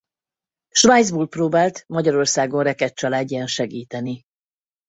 Svájcból próbált Magyarországon rekedt családján segíteni.